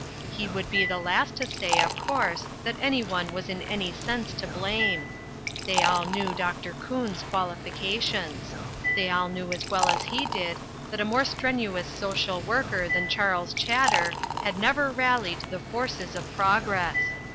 He would be the last to say, of course, that anyone was in any sense to blame. They all knew Dr. Coon's qualifications. They all knew as well as he did, that a more strenuous social worker than 134 THE FLYING INN Charles Chadder had never rallied the forces of prog ress.